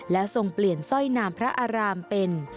และทรงเปลี่ยนสร้อยนามพระอารามเป็น